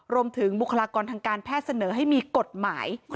บุคลากรทางการแพทย์เสนอให้มีกฎหมาย